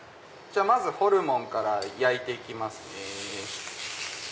まずホルモンから焼いて行きますね。